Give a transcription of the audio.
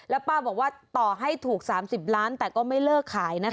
แล้วป้าบอกว่าต่อให้ถูก๓๐ล้านแต่ก็ไม่เลิกขายนะคะ